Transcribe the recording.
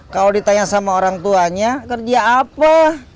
kalau ditanya sama orangtuanya kerja apa